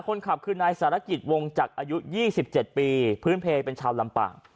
คนขับคือนายสารกิจวงจักรอายุ๒๗ปีพื้นเพลเป็นชาวลำปาง